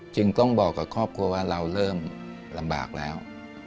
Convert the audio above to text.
จึงต้องบอกกับครอบครัวว่าเราเริ่มลำบากแล้ว